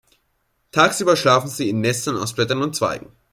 Tagsüber schlafen sie in Nestern aus Blättern und Zweigen.